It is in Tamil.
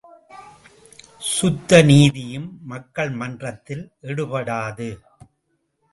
சுத்த நீதியும் மக்கள் மன்றத்தில் எடுபடாது.